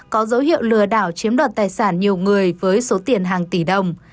có dấu hiệu lừa đảo chiếm đoạt tài sản nhiều người với số tiền hàng tỷ đồng